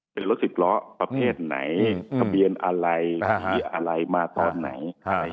เป็นรถสิบล้อประเภทไหนทะเบียนอะไรมีอะไรมาตอนไหน